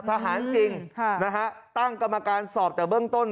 ทหารจริงนะฮะตั้งกรรมการสอบแต่เบื้องต้น